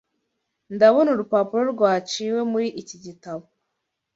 Ndabona urupapuro rwaciwe muri iki gitabo.